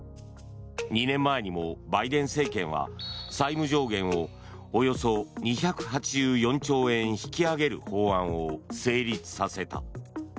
２年前にもバイデン政権は債務上限をおよそ２８４兆円引き上げる法案を成立させた。